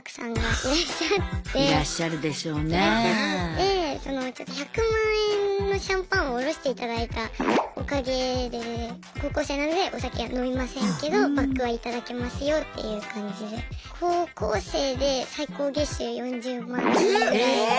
いらっしゃってその１００万円のシャンパンをおろしていただいたおかげで高校生なのでお酒は飲みませんけどバックは頂きますよっていう感じで高校生で最高月収４０万円ぐらい。